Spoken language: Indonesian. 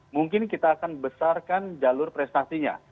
mungkin kita akan besarkan jalur prestasinya